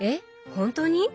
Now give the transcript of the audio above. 本当に？